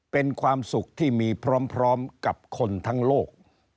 เป็นความสุขที่มีพร้อมกับคนทั้งโลก